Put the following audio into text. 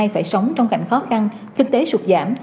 phải sống trong cảnh khó khăn kinh tế sụt giảm